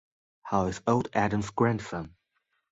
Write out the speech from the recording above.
How is old Adam's grandson?